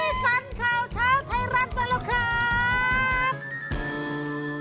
สันข่าวเช้าไทยรัฐมาแล้วครับ